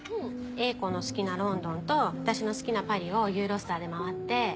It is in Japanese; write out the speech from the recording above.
英子の好きなロンドンと私の好きなパリをユーロスターで回って。